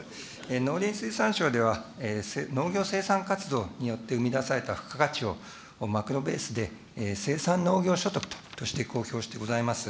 農林水産省では、農業生産活動によって生み出された付加価値をマクロベースで生産農業所得として公表してございます。